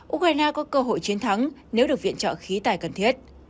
ukraine có cơ hội chiến thắng nếu được viện trợ khí tài cần thiết